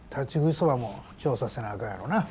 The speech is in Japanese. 蕎麦も調査せなあかんやろな。